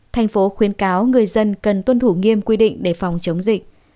thành phố khuyến cáo người dân cần tuân thủ nghiêm quy định để phòng chống dịch